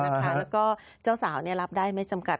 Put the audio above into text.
แล้วก็เจ้าสาวรับได้ไม่จำกัด